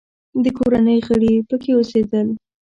د کورنۍ غړي یې پکې اوسېدل.